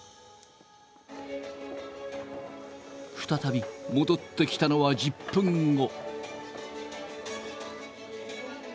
再び戻ってきたのは１０分後。